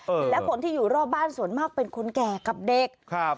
และคนที่อยู่รอบบ้านส่วนมากเป็นคนแก่กับเด็กครับ